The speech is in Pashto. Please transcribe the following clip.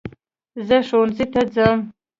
زه ښوونځی ته ځم